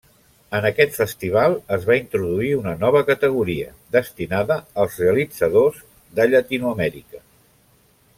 En aquest festival es va introduir una nova categoria, destinada als realitzadors de Llatinoamèrica.